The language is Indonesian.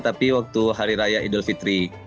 tapi waktu hari raya idul fitri